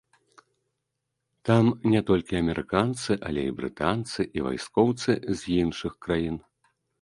Там не толькі амерыканцы, але і брытанцы, і вайскоўцы з іншых краін.